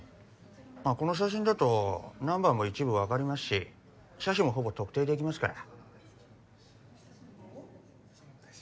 まあこの写真だとナンバーも一部分かりますし車種もほぼ特定できますから。